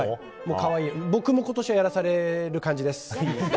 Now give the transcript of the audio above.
僕も今年はやらされる感じです。